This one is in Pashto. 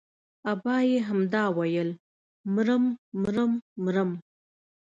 ابا يې همدا ويل مرم مرم مرم.